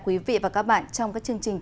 quý vị và các bạn trong các chương trình